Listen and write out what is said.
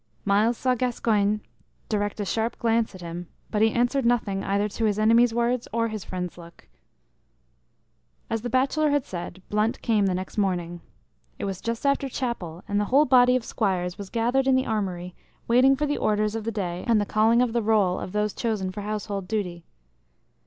Myles saw Gascoyne direct a sharp glance at him; but he answered nothing either to his enemy's words or his friend's look. As the bachelor had said, Blunt came the next morning. It was just after chapel, and the whole body of squires was gathered in the armory waiting for the orders of the day and the calling of the roll of those chosen for household duty.